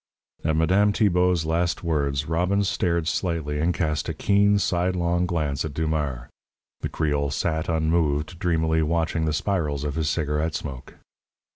At Madame Tibault's last words, Robbins started slightly and cast a keen, sidelong glance at Dumars. The Creole sat, unmoved, dreamily watching the spirals of his cigarette smoke.